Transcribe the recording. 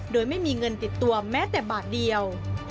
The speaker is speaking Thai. โดยไม่มีเงินติดตัวแม้แต่บาทเดียว